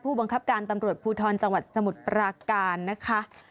บังคับการตำรวจภูทรจังหวัดสมุทรปราการนะคะ